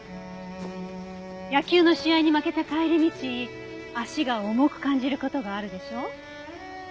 野球の試合に負けた帰り道足が重く感じる事があるでしょ？